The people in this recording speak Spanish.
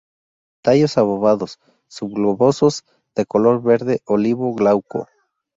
Tallos obovados, subglobosos, de color verde olivo glauco.